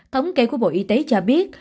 thống kê của bộ y tế cho biết